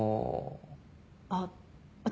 あっ私